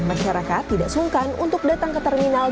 masyarakat tidak sungkan untuk datang ke terminal